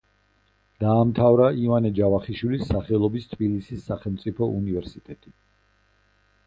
დაამთავრა ივანე ჯავახიშვილის სახელობის თბილისის სახელმწიფო უნივერსიტეტი.